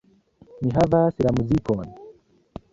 Mi havas la muzikon.